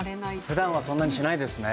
ふだんはそんなにしないですね。